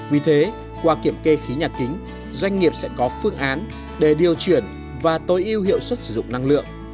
vì thế qua kiểm kê khí nhà kính doanh nghiệp sẽ có phương án để điều chuyển và tối ưu hiệu suất sử dụng năng lượng